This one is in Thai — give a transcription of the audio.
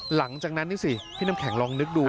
หลังจากนั้นนี่สิพี่น้ำแข็งลองนึกดู